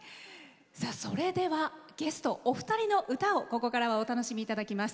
それではゲストお二人の歌をここからはお楽しみいただきます。